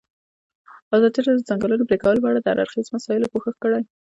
ازادي راډیو د د ځنګلونو پرېکول په اړه د هر اړخیزو مسایلو پوښښ کړی.